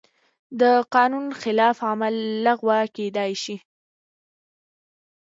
د قانون خلاف عمل لغوه کېدای شي.